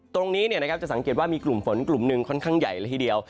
ตรงนี้จะสังเกตว่ามีกลุ่มฝนกลุ่มหนึ่งค่อนข้างใหญ่ละทีเดียว